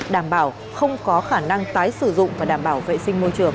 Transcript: đảm bảo không có khả năng tái sử dụng và đảm bảo vệ sinh môi trường